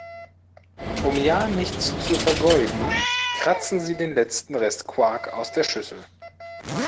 Um ja nichts zu vergeuden, kratzen sie den letzten Rest Quark aus der Schüssel.